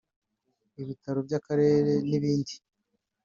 ibitaro by’akarere n’ibindi